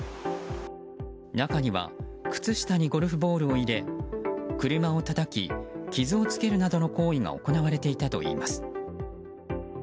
中には靴下にゴルフボールを入れ車をたたき傷をつけるなどの行為が行われていたといいます。